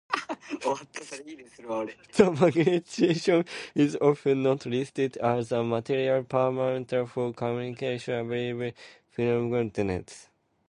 The magnetization is often not listed as a material parameter for commercially available ferromagnets.